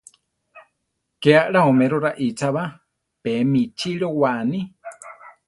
Ke alá oméro raícha ba, pemi chilówa ani.